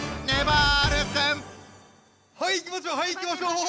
はいいきましょうはいいきましょう。